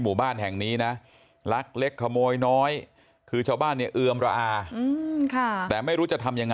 หมู่บ้านพลุษภาคก็มีทีว่าขึ้นไปแล้วช่วยกัน